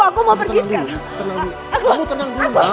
aku mau pergi sekarang